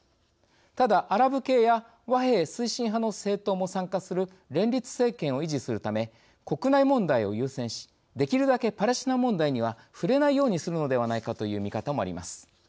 ただアラブ系や和平推進派の政党も参加する連立政権を維持するため国内問題を優先しできるだけパレスチナ問題には触れないようにするのではないかという見方もあります。